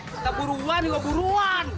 kita buruan juga buruan